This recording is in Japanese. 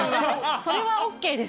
それはＯＫです。